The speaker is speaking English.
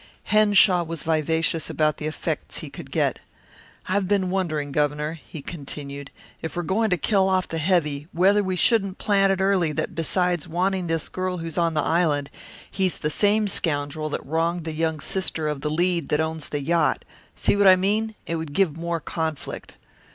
Henshaw was vivacious about the effects he would get. "I've been wondering, Governor," he continued, "if we're going to kill off the heavy, whether we shouldn't plant it early that besides wanting this girl who's on the island, he's the same scoundrel that wronged the young sister of the lead that owns the yacht. See what I mean? it would give more conflict."